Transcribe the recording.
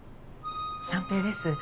三瓶です